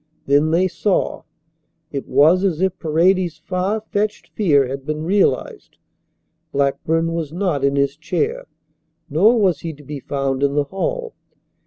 Then they saw. It was as if Paredes's far fetched fear had been realized. Blackburn was not in his chair, nor was he to be found in the hall.